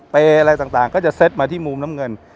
อะไรต่างก็จะเซ็ตมาที่มุมน้ำเงิน